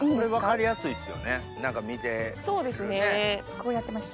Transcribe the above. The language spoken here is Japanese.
こうやってました。